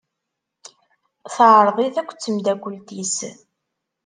Teɛreḍ-it akked temdakelt-is.